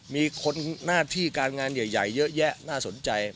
มีคนหน้าที่การงานใหญ่เยอะแยะน่าสนใจ